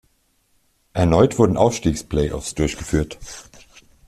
Erneut wurden Aufstiegs-Play-Offs durchgeführt.